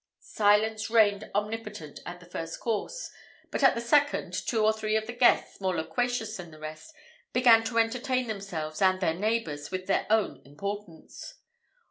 Silence reigned omnipotent at the first course; but at the second, two or three of the guests, more loquacious than the rest, began to entertain themselves and their neighbours with their own importance.